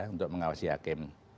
untuk mengawasi hakim